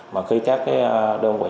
mà khi các đơn vị